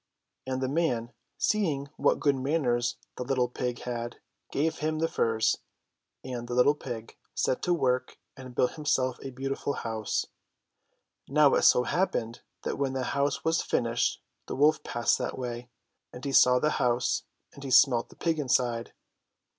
And the man, seeing what good manners the little pig had, gave him the furze, and the little pig set to work and built himself a beautiful house. Now it so happened that when the house was finished the wolf passed that way ; and he saw the house, and he smelt the pig inside.